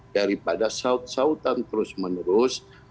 daripada sautan terus menerus